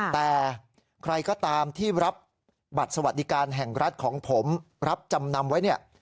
แต่ใครก็ตามที่รับบัตรสวัสดิการแห่งรัฐของผมรับจำนำไว้เนี่ย